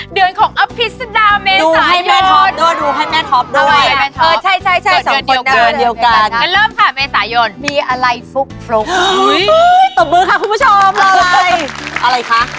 เดือนของอภิษฎาเมษายน